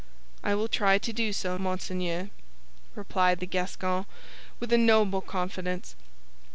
"I will try to do so, monseigneur," replied the Gascon, with a noble confidence.